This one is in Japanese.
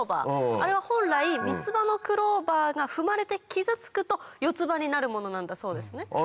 あれは本来三つ葉のクローバーが踏まれて傷つくと四つ葉になるものなんだそうです。